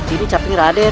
ini capnya raden